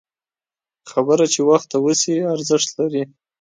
خبره چې وخته وشي، ارزښت لري